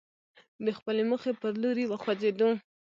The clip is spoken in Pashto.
د خپلې موخې پر لوري وخوځېدو.